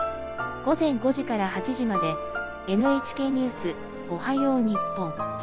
「午前５時から８時まで『ＮＨＫニュースおはよう日本』。